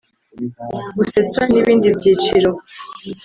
gusetsa n’ibindi byiciro